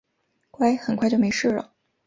乖，很快就没事了